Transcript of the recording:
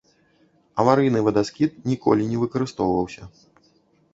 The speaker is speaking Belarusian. Аварыйны вадаскід ніколі не выкарыстоўваўся.